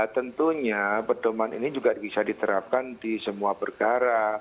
tentunya pedoman ini juga bisa diterapkan di semua perkara